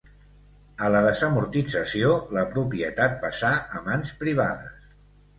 A la desamortització, la propietat passà a mans privades.